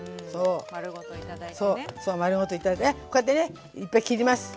そう丸ごと頂いてこうやってねいっぱい切ります。